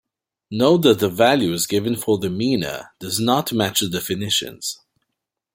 Note that the values given for the "mina" do not match the definitions.